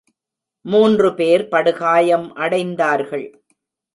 மூன்று பேர் படுகாயம் அடைந்தார்கள்.